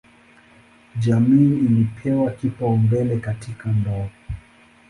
Jamii ilipewa kipaumbele katika ndoa.